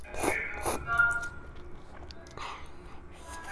د شیطان په غوښتنه نه عمل کېږي.